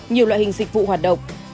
nhiều loại hình dịch vụ hoạt động